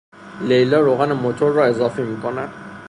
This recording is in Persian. لیلا روغن موتور را اضافه میکند.